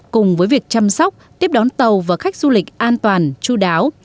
cùng với việc chăm sóc tiếp đón tàu và khách du lịch an toàn chú đáo